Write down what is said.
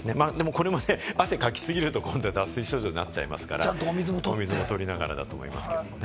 これもね、汗かき過ぎると今度は脱水症状になっちゃいますから、お水もとりながらだと思いますけれどもね。